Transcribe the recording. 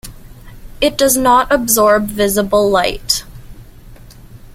It does not absorb visible light.